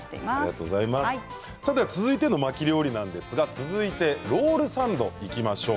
続いての巻き料理なんですがロールサンド、いきましょう。